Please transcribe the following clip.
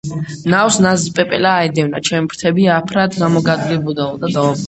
ნავს ნაზი პეპელა აედევნა, ჩემი ფრთები აფრად გამოდგებოდაო.